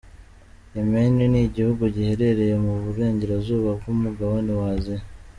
Yemeni ni igihugu giherereye mu burengerazuba bw’umugabane wa Aziya.